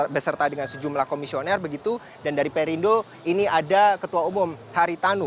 berserta dengan sejumlah komisioner dan dari perindu ini ada ketua umum hari tanu